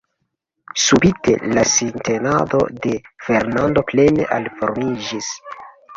Subite la sintenado de Fernando plene aliformiĝis.